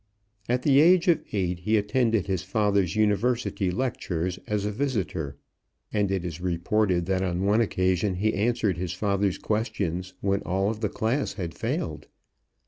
At the age of eight he attended his father's university lectures as a visitor, and it is reported that on one occasion he answered his father's questions when all of the class had failed.